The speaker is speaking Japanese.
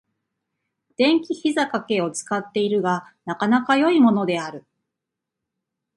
電気ひざかけを使っているが、なかなか良いものである。